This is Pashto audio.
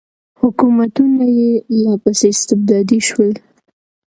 حکومتونه یې لا پسې استبدادي شول.